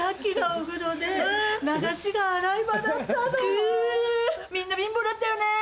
うみんな貧乏だったよね。